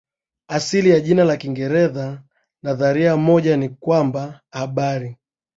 Asili ya jina la Kiingereza Nadharia moja ni kwamba habari